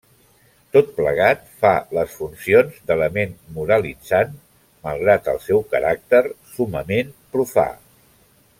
Tot plegat fa les funcions d'element moralitzant, malgrat el seu caràcter summament profà.